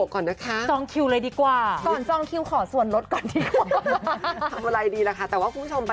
ใช่ต่อไปก็ต้องรู้แล้วตัวเอง